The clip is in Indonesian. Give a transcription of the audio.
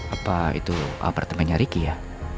apa itu apartemen nya ricky ya